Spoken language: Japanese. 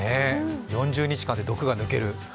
４０日間で毒が抜ける。